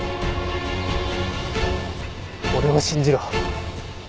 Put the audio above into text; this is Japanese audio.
俺を信じろ。